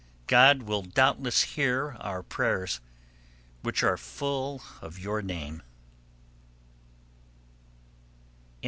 God will doubtless hear our prayers, which are full of your name.